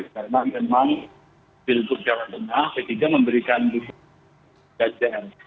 karena memang di jawa tengah p tiga memberikan dukungan ke ganjar